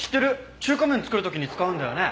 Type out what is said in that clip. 中華麺作る時に使うんだよね？